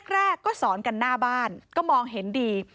แรกก็สอนกันหน้าบ้านก็มองเห็นดี